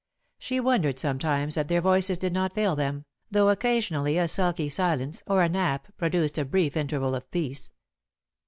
She wondered, sometimes, that their voices did not fail them, though occasionally a sulky silence or a nap produced a brief interval of peace.